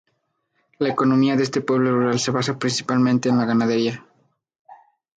La economía de este pueblo rural se basa principalmente en la ganadería.